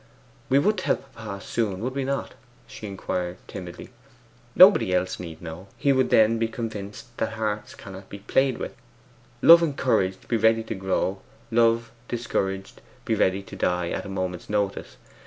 'We would tell papa soon, would we not?' she inquired timidly. 'Nobody else need know. He would then be convinced that hearts cannot be played with; love encouraged be ready to grow, love discouraged be ready to die, at a moment's notice.